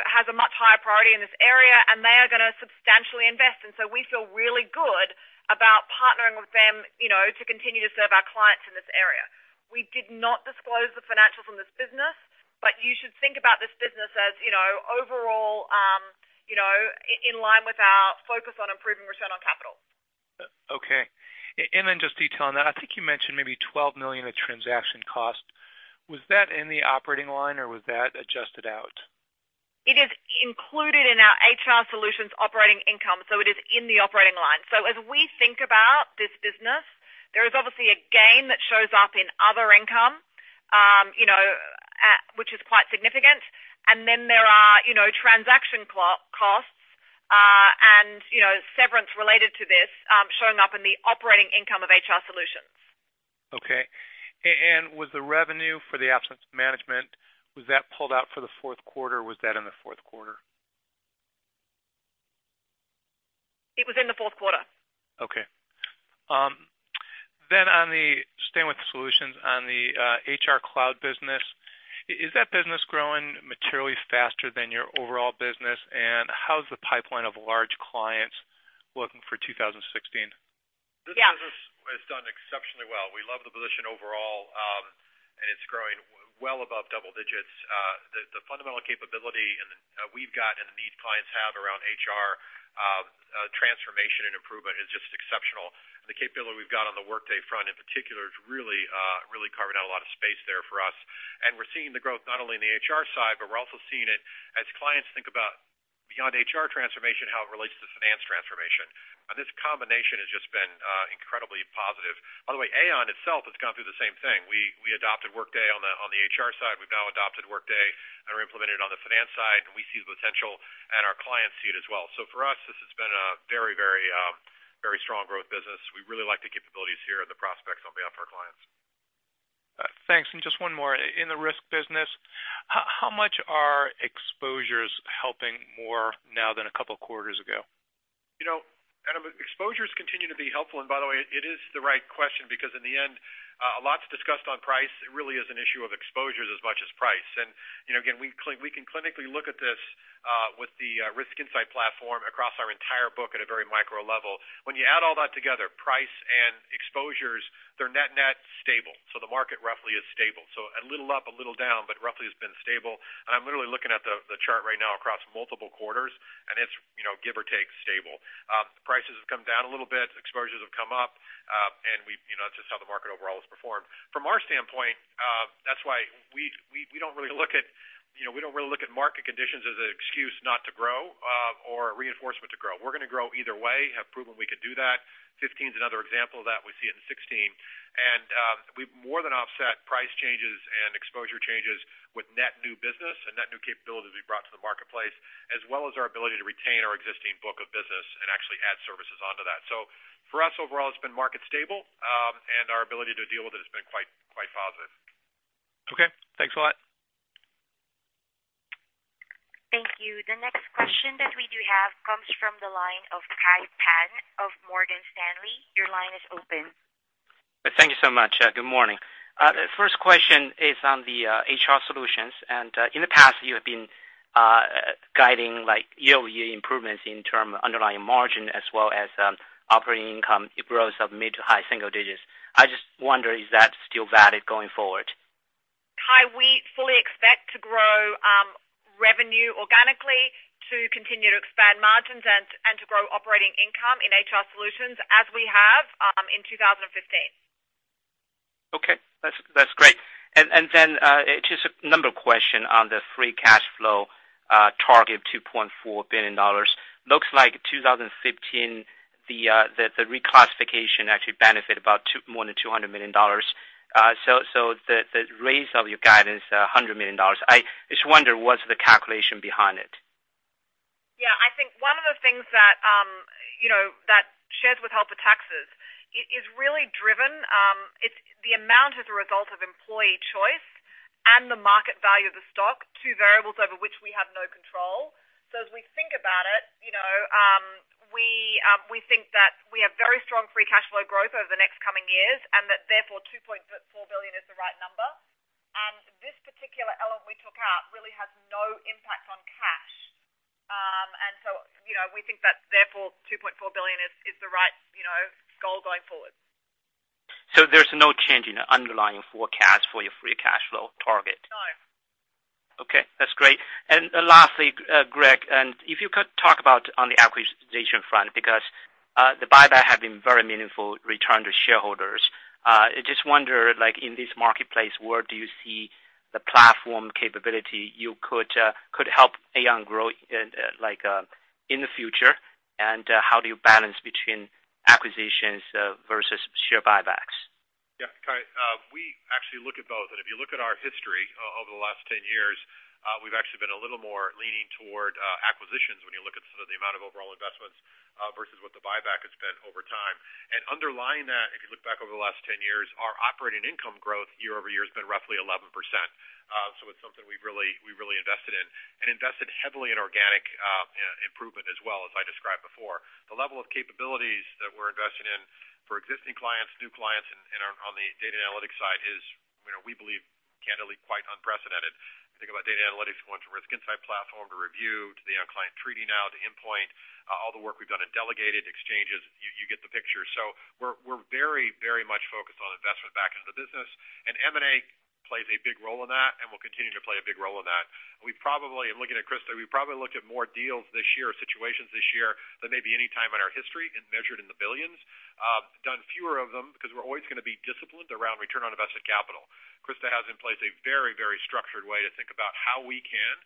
has a much higher priority in this area, and they are going to substantially invest. We feel really good about partnering with them to continue to serve our clients in this area. We did not disclose the financials from this business, but you should think about this business as overall in line with our focus on improving return on capital. Okay. Then just detail on that. I think you mentioned maybe $12 million of transaction cost. Was that in the operating line or was that adjusted out? It is included in our HR Solutions operating income, so it is in the operating line. As we think about this business, there is obviously a gain that shows up in other income, which is quite significant. Then there are transaction costs, and severance related to this, showing up in the operating income of HR Solutions. Okay. Was the revenue for the absence management, was that pulled out for the fourth quarter, or was that in the fourth quarter? It was in the fourth quarter. Okay. Staying with solutions on the HR cloud business, is that business growing materially faster than your overall business, and how's the pipeline of large clients looking for 2016? Yeah. This business has done exceptionally well. We love the position overall, and it's growing well above double digits. The fundamental capability we've got and the need clients have around HR transformation and improvement is just exceptional. The capability we've got on the Workday front in particular has really carved out a lot of space there for us. We're seeing the growth not only in the HR side, but we're also seeing it as clients think about beyond HR transformation, how it relates to finance transformation. This combination has just been incredibly positive. By the way, Aon itself has gone through the same thing. We adopted Workday on the HR side. We've now adopted Workday and implemented it on the finance side, and we see the potential and our clients see it as well. For us, this has been a very strong growth business. We really like the capabilities here and the prospects on behalf of our clients. Thanks. Just one more. In the risk business, how much are exposures helping more now than a couple of quarters ago? Adam, exposures continue to be helpful, and by the way, it is the right question because in the end, a lot's discussed on price. It really is an issue of exposures as much as price. Again, we can clinically look at this with the Risk Insight Platform across our entire book at a very micro level. When you add all that together, price and exposures, they're net stable. The market roughly is stable. A little up, a little down, but roughly has been stable. I'm literally looking at the chart right now across multiple quarters, and it's give or take stable. Prices have come down a little bit, exposures have come up. That's just how the market overall has performed. From our standpoint, that's why we don't really look at market conditions as an excuse not to grow or reinforcement to grow. We're going to grow either way, have proven we can do that. 15 is another example of that. We see it in 2016. We've more than offset price changes and exposure changes with net new business and net new capabilities we brought to the marketplace, as well as our ability to retain our existing book of business and actually add services onto that. For us, overall, it's been market stable, and our ability to deal with it has been quite positive. Okay. Thanks a lot. Thank you. The next question that we do have comes from the line of Kai Pan of Morgan Stanley. Your line is open. Thank you so much. Good morning. First question is on the HR Solutions. In the past you have been guiding year-over-year improvements in terms of underlying margin as well as operating income growth of mid to high single digits. I just wonder, is that still valid going forward? Kai, we fully expect to grow revenue organically to continue to expand margins and to grow operating income in HR Solutions as we have in 2015. Okay. That's great. Then, just a number question on the free cash flow target, $2.4 billion. Looks like 2015, the reclassification actually benefit about more than $200 million. The raise of your guidance, $100 million. I just wonder, what's the calculation behind it? Yeah, I think one of the things that shares with health taxes is really driven. The amount is a result of employee choice and the market value of the stock, two variables over which we have no control. As we think about it, we think that we have very strong free cash flow growth over the next coming years, and that therefore $2.4 billion is the right number. This particular element we took out really has no impact on cash. We think that therefore $2.4 billion is the right goal going forward. There's no change in underlying forecast for your free cash flow target? No. Okay, that's great. Lastly, Greg, if you could talk about on the acquisition front, because the buyback have been very meaningful return to shareholders. I just wonder, in this marketplace, where do you see the platform capability you could help Aon grow in the future, and how do you balance between acquisitions versus share buybacks? Yeah. Kai, we actually look at both. If you look at our history over the last 10 years, we've actually been a little more leaning toward acquisitions when you look at sort of the amount of overall investments versus what the buyback has been over time. Underlying that, if you look back over the last 10 years, our operating income growth year-over-year has been roughly 11%. It's something we've really invested in and invested heavily in organic improvement as well as I described before. The level of capabilities that we're investing in for existing clients, new clients and on the data analytics side is, we believe candidly quite unprecedented. Think about data analytics, going from Risk Insight Platform to ReView to the Aon Client Treaty now to Endpoint, all the work we've done in delegated exchanges, you get the picture. We're very much focused on investment back into the business, M&A plays a big role in that and will continue to play a big role in that. We probably, I'm looking at Christa, we probably looked at more deals this year or situations this year than maybe any time in our history and measured in the billions. Done fewer of them because we're always going to be disciplined around return on invested capital. Christa has in place a very structured way to think about how we can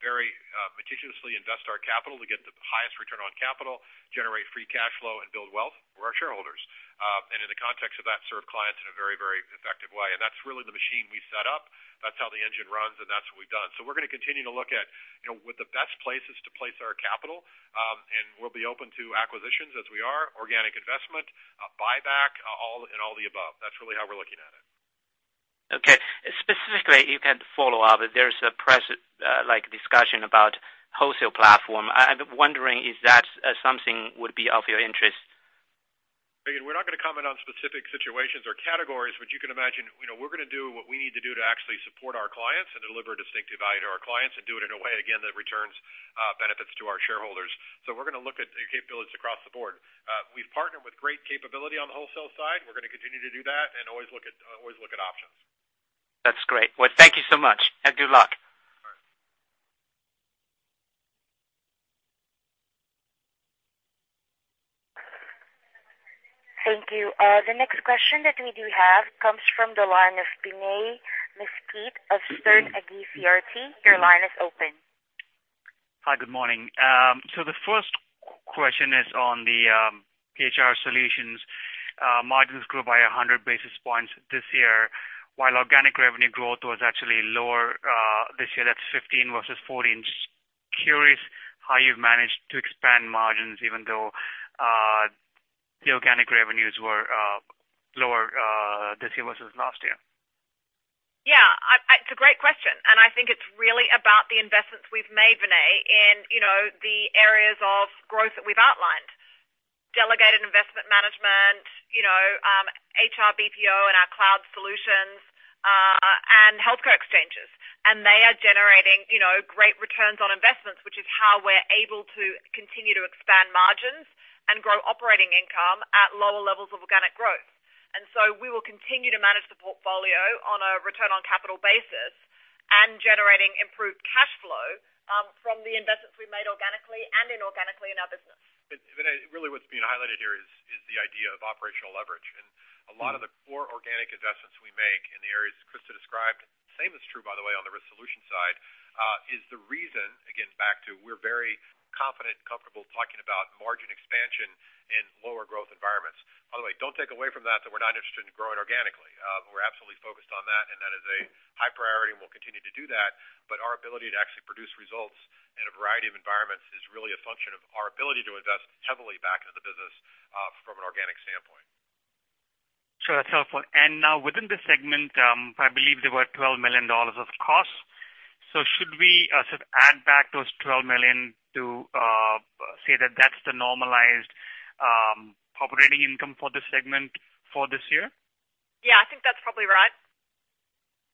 very meticulously invest our capital to get the highest return on capital, generate free cash flow and build wealth for our shareholders. In the context of that, serve clients in a very effective way. That's really the machine we've set up. That's how the engine runs, and that's what we've done. We're going to continue to look at what the best places to place our capital, we'll be open to acquisitions as we are, organic investment, buyback, and all the above. That's really how we're looking at it. Okay. Specifically, if you can follow up, there's a press discussion about wholesale platform. I'm wondering is that something would be of your interest? Again, we're not going to comment on specific situations or categories, you can imagine, we're going to do what we need to do to actually support our clients and deliver distinctive value to our clients and do it in a way, again, that returns benefits to our shareholders. We're going to look at capabilities across the board. We've partnered with great capability on the wholesale side. We're going to continue to do that and always look at options. That's great. Well, thank you so much. Good luck. All right. Thank you. The next question that we do have comes from the line of Vinay Misquith of Evercore ISI. Your line is open. Hi, good morning. The first question is on the HR Solutions. Margins grew by 100 basis points this year, while organic revenue growth was actually lower this year. That's 15% versus 14%. Just curious how you've managed to expand margins even though the organic revenues were lower this year versus last year. Yeah. It's a great question. I think it's really about the investments we've made, Vinay, in the areas of growth that we've outlined. Delegated investment management, HR BPO, and our cloud solutions, and healthcare exchanges. They are generating great returns on investments, which is how we're able to continue to expand margins and grow operating income at lower levels of organic growth. We will continue to manage the portfolio on a return on capital basis and generating improved cash flow from the investments we've made organically and inorganically in our business. Vinay, really what's being highlighted here is the idea of operational leverage. A lot of the core organic investments we make in the areas Christa described, same is true, by the way, on the Risk Solutions side, is the reason, again, back to we're very confident and comfortable talking about margin expansion in lower growth environments. By the way, don't take away from that we're not interested in growing organically. We're absolutely focused on that, and that is a high priority, and we'll continue to do that. Our ability to actually produce results in a variety of environments is really a function of our ability to invest heavily back into the business from an organic standpoint. Sure. That's helpful. Now within this segment, I believe there were $12 million of costs. Should we sort of add back those $12 million to say that that's the normalized operating income for this segment for this year? Yeah, I think that's probably right.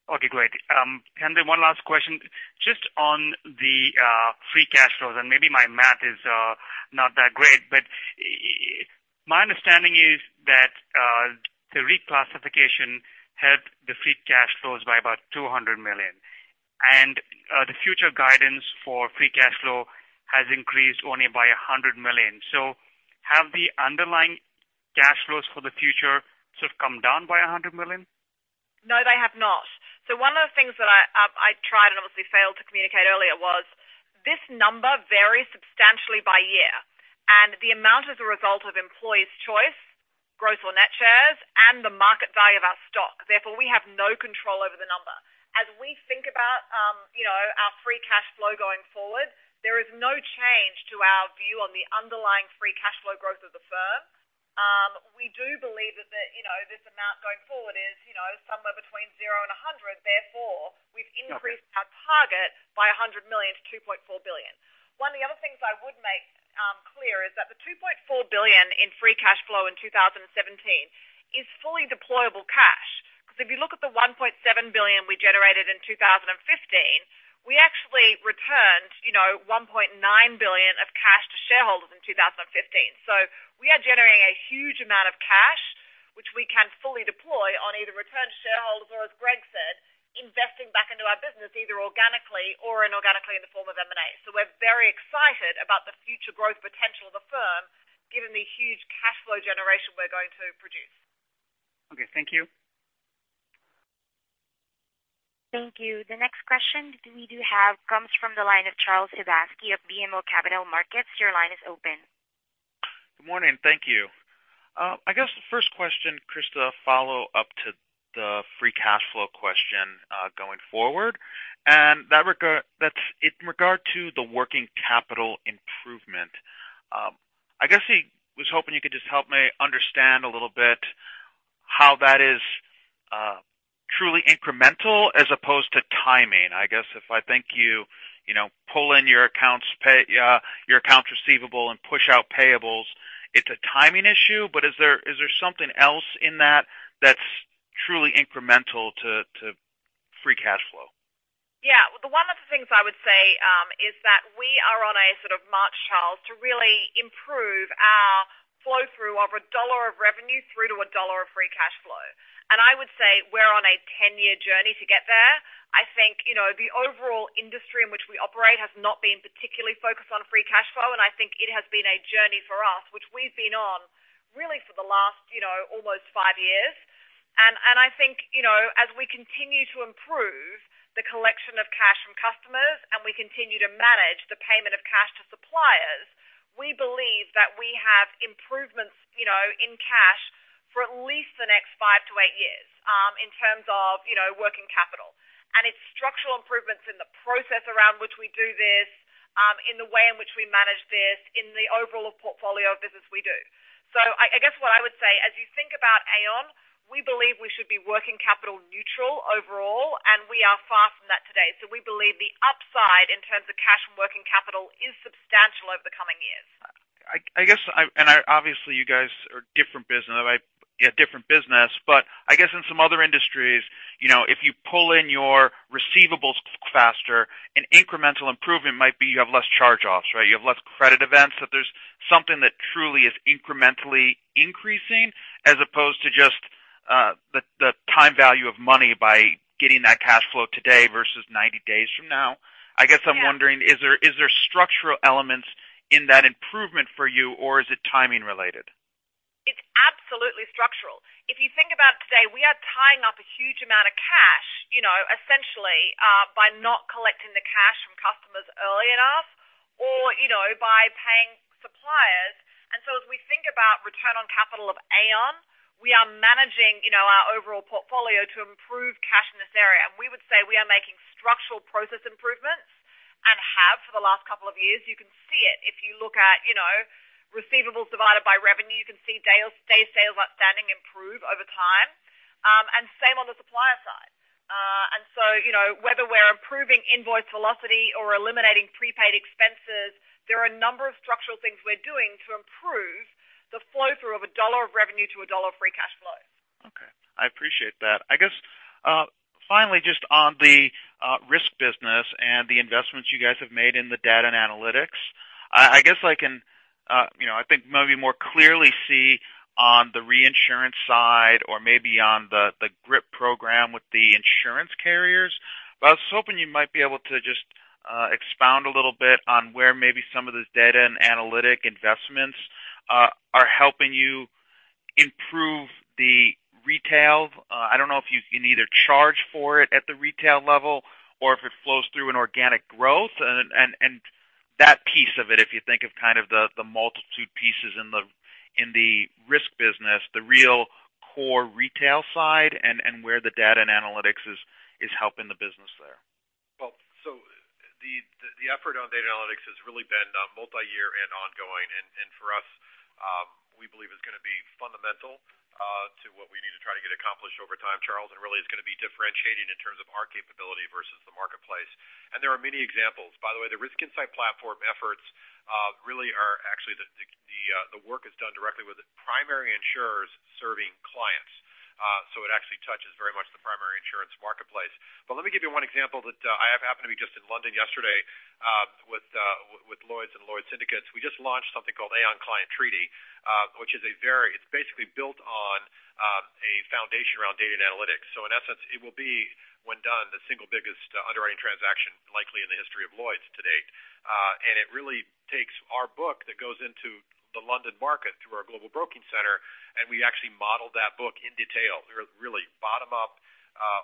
Okay, great. One last question. Just on the free cash flows, maybe my math is not that great, but my understanding is that the reclassification helped the free cash flows by about $200 million, the future guidance for free cash flow has increased only by $100 million. Have the underlying cash flows for the future sort of come down by $100 million? No, they have not. One of the things that I tried and obviously failed to communicate earlier was this number varies substantially by year. The amount is a result of employees' choice, growth or net shares, and the market value of our stock. Therefore, we have no control over the number. As we think about our free cash flow going forward, there is no change to our view on the underlying free cash flow growth of the firm. We do believe that this amount going forward is somewhere between zero and $100. Therefore, we've increased our target by $100 million to $2.4 billion. One of the other things I would make clear is that the $2.4 billion in free cash flow in 2017 is fully deployable cash. If you look at the $1.7 billion we generated in 2015, we actually returned $1.9 billion of cash to shareholders in 2015. We are generating a huge amount of cash, which we can fully deploy on either return to shareholders or, as Greg Case said, investing back into our business, either organically or inorganically in the form of M&A. We're very excited about the future growth potential of the firm given the huge cash flow generation we're going to produce. Okay, thank you. Thank you. The next question we do have comes from the line of Charles Savaria of BMO Capital Markets. Your line is open. Good morning. Thank you. I guess the first question, Christa, follow up to the free cash flow question going forward. That's in regard to the working capital improvement. I guess I was hoping you could just help me understand a little bit how that is truly incremental as opposed to timing. I guess if I think you pull in your accounts receivable and push out payables, it's a timing issue, but is there something else in that that's truly incremental to free cash flow? Yeah. One of the things I would say is that we are on a sort of march, Charles, to really improve our flow-through of a $1 of revenue through to a $1 of free cash flow. I would say we're on a 10-year journey to get there. I think the overall industry in which we operate has not been particularly focused on free cash flow, and I think it has been a journey for us, which we've been on really for the last almost five years. I think as we continue to improve the collection of cash from customers and we continue to manage the payment of cash to suppliers, we believe that we have improvements in cash for at least the next five to eight years in terms of working capital. It's structural improvements in the process around which we do this, in the way in which we manage this, in the overall portfolio of business we do. I guess what I would say, as you think about Aon, we believe we should be working capital neutral overall, and we are far from that today. We believe the upside in terms of cash from working capital is substantial over the coming years. I guess, obviously you guys are a different business, but I guess in some other industries, if you pull in your receivables faster, an incremental improvement might be you have less charge-offs, right? You have less credit events. That there's something that truly is incrementally increasing as opposed to just the time value of money by getting that cash flow today versus 90 days from now. I guess I'm wondering, is there structural elements in that improvement for you, or is it timing related? It's absolutely structural. If you think about today, we are tying up a huge amount of cash essentially by not collecting the cash from customers early enough or by paying suppliers. As we think about return on capital of Aon, we are managing our overall portfolio to improve cash in this area. We would say we are making structural process improvements and have for the last couple of years. You can see it if you look at receivables divided by revenue, you can see day sales outstanding improve over time. Same on the supplier side. Whether we're improving invoice velocity or eliminating prepaid expenses, there are a number of structural things we're doing to improve the flow-through of a dollar of revenue to a dollar of free cash flow. Okay. I appreciate that. I guess finally, just on the risk business and the investments you guys have made in the data and analytics, I guess I can maybe more clearly see on the reinsurance side or maybe on the GRIP program with the insurance carriers. I was hoping you might be able to just expound a little bit on where maybe some of this data and analytic investments are helping you improve the retail. I don't know if you can either charge for it at the retail level or if it flows through in organic growth. That piece of it, if you think of kind of the multitude pieces in the risk business, the real core retail side and where the data and analytics is helping the business there. The effort on data analytics has really been multi-year and ongoing. For us, we believe it's going to be fundamental to what we need to try to get accomplished over time, Charles, and really is going to be differentiating in terms of our capability versus the marketplace. There are many examples. By the way, the Risk Insight Platform efforts really are actually the work is done directly with primary insurers serving clients. It actually touches very much the primary insurance marketplace. Let me give you one example that I have happened to be just in London yesterday with Lloyd's and Lloyd's syndicates. We just launched something called Aon Client Treaty, which it's basically built on a foundation around data and analytics. In essence, it will be, when done, the single biggest underwriting transaction likely in the history of Lloyd's to date. It really takes our book that goes into the London market through our Global Broking Center, and we actually modeled that book in detail, really bottom up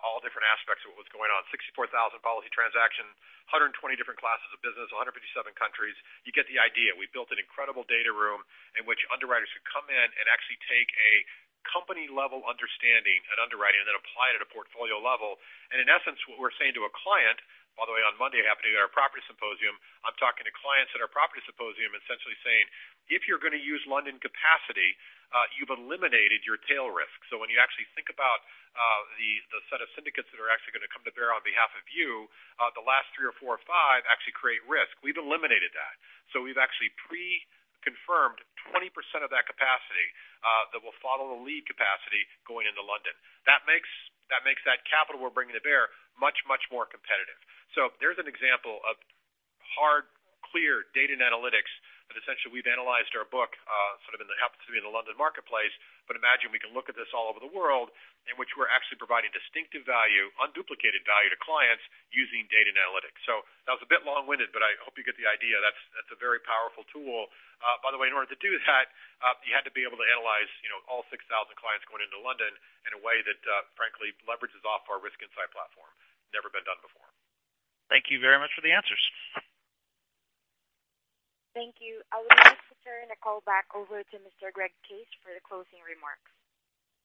all different aspects of what was going on. 64,000 policy transactions, 120 different classes of business, 157 countries. You get the idea. We built an incredible data room in which underwriters could come in and actually take a company-level understanding at underwriting and then apply it at a portfolio level. In essence, what we're saying to a client, by the way, on Monday, happening at our property symposium, I'm talking to clients at our property symposium, essentially saying, "If you're going to use London capacity, you've eliminated your tail risk." When you actually think about the set of syndicates that are actually going to come to bear on behalf of you, the last three or four or five actually create risk. We've eliminated that. We've actually pre-confirmed 20% of that capacity that will follow the lead capacity going into London. That makes that capital we're bringing to bear much, much more competitive. There's an example of hard, clear data and analytics that essentially we've analyzed our book, happens to be in the London marketplace. Imagine we can look at this all over the world in which we're actually providing distinctive value, unduplicated value to clients using data and analytics. That was a bit long-winded, but I hope you get the idea. That's a very powerful tool. By the way, in order to do that, you had to be able to analyze all 6,000 clients going into London in a way that frankly leverages off our Risk Insight Platform. Never been done before. Thank you very much for the answers. Thank you. I would like to turn the call back over to Mr. Greg Case for the closing remarks.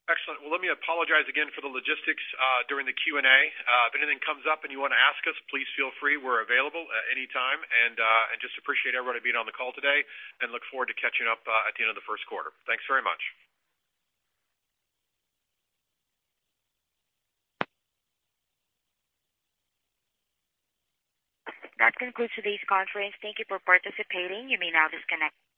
Excellent. Well, let me apologize again for the logistics during the Q&A. If anything comes up and you want to ask us, please feel free. We're available at any time and just appreciate everybody being on the call today and look forward to catching up at the end of the first quarter. Thanks very much. That concludes today's conference. Thank you for participating. You may now disconnect.